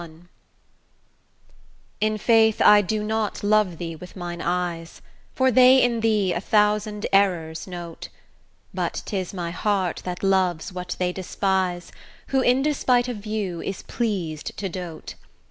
CXLI In faith I do not love thee with mine eyes, For they in thee a thousand errors note; But 'tis my heart that loves what they despise, Who, in despite of view, is pleased to dote.